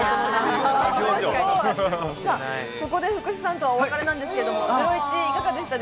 ここで福士さんとはお別れなんですけれども、『ゼロイチ』いかがでしたか？